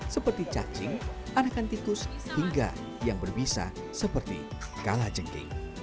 seperti cacing anakan tikus hingga yang berbisa seperti kalajengking